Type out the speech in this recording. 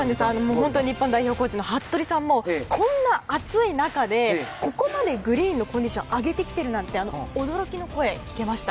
本当に日本代表コーチの方もこんな暑い中でここまでグリーンのコンディションを上げてきてるなんてと驚きの声が聞けました。